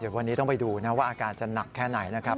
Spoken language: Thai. เดี๋ยววันนี้ต้องไปดูนะว่าอาการจะหนักแค่ไหนนะครับ